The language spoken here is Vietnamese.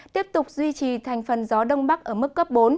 tiếp tục duy trì thành phần gió đông bắc ở mức cấp bốn